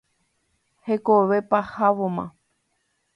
Hekove pahávoma.